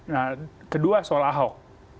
nah kedua soal ahok